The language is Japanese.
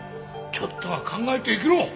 ちょっとは考えて生きろ！